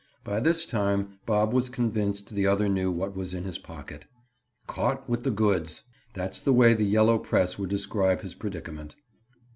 By this time Bob was convinced the other knew what was in his pocket. "Caught with the goods!" That's the way the yellow press would describe his predicament.